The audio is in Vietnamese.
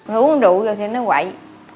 nó uống rượu rồi thì nó quậy